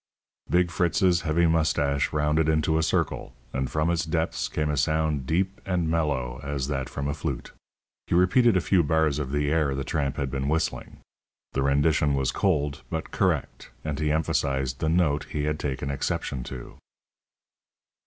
Big Fritz's heavy moustache rounded into a circle, and from its depths came a sound deep and mellow as that from a flute. He repeated a few bars of the air the tramp had been whistling. The rendition was cold, but correct, and he emphasized the note he had taken exception to.